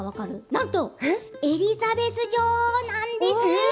なんとエリザベス女王なんです。